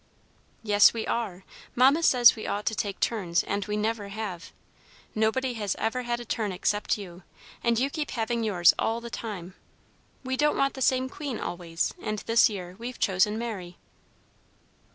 "Yes, we are. Mamma says we ought to take turns, and we never have. Nobody has ever had a turn except you, and you keep having yours all the time. We don't want the same queen always, and this year we've chosen Mary."